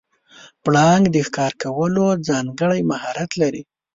پړانګ د ښکار کولو ځانګړی مهارت لري.